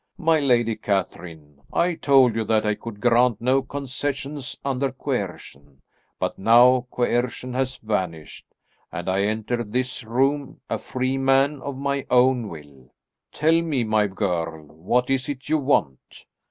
My Lady Catherine, I told you that I could grant no concessions under coercion, but now coercion has vanished and I enter this room a free man of my own will. Tell me, my girl, what is it you want?